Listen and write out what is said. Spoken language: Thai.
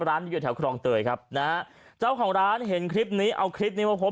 ร้านนี้อยู่แถวครองเตยครับนะฮะเจ้าของร้านเห็นคลิปนี้เอาคลิปนี้มาพบ